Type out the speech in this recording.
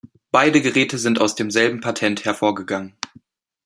Beide Geräte sind aus demselben Patent hervorgegangen.